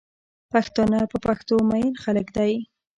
پښتانه په پښتو مئین خلک دی